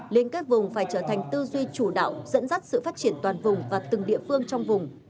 liên kết vùng phải trở thành tư duy chủ đạo dẫn dắt sự phát triển toàn vùng và từng địa phương trong vùng